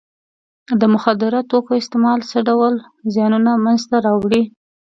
د مخدره توکو استعمال څه ډول زیانونه منځ ته راوړي.